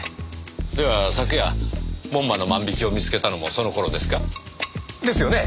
では昨夜門馬の万引きを見つけたのもその頃ですか？ですよね？